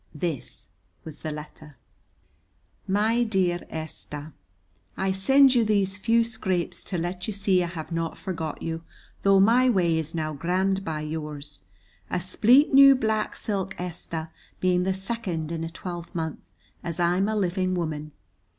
This was the letter: "MY DEAR ESTHER, I send you these few scrapes to let you see I have not forgot you, though my way is now grand by yours. A spleet new black silk, Esther, being the second in a twelvemonth, as I'm a living woman.